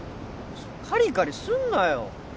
そうカリカリすんなよ